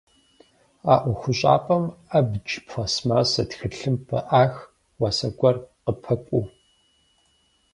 А ӏуэхущӏапӏэм абдж, пластмассэ, тхылъымпӏэ ӏах, уасэ гуэр къыпэкӏуэу.